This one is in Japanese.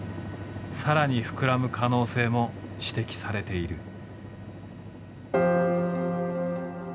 更に膨らむ可能性も指摘されている。